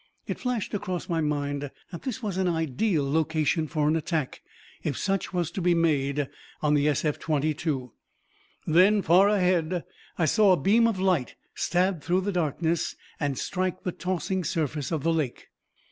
It flashed across my mind that this was an ideal location for an attack, if such was to be made on the SF 22. Then, far ahead, I saw a beam of light stab through the darkness and strike the tossing surface of the lake.